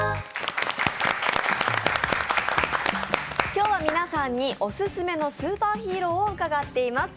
今日は皆さんにオススメのスーパーヒーローを伺っています。